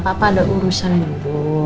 papa ada urusan dulu